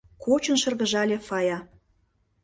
— Кочын шыргыжале Фая.